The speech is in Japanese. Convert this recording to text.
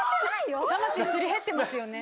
魂すり減ってますよね。